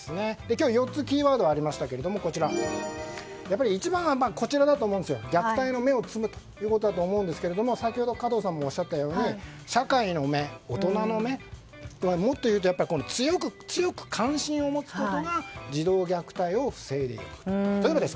今日は４つのキーワードがありましたがやっぱり一番は虐待の芽を摘むことだと思うんですが先ほど加藤さんもおっしゃったように社会の目大人の目、もっと言うと強く関心を持つことが児童虐待を防いでいくと。